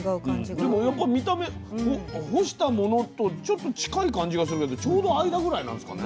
でもやっぱ見た目干したものとちょっと近い感じがするけどちょうど間ぐらいなんすかね。